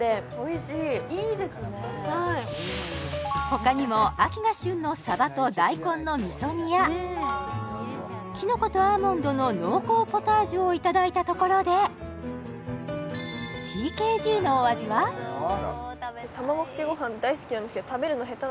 ほかにも秋が旬のサバと大根の味噌煮やキノコとアーモンドの濃厚ポタージュをいただいたところでそうなんだ